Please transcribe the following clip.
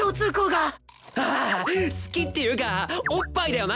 ああ好きっていうかおっぱいだよな！